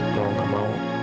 kalau gak mau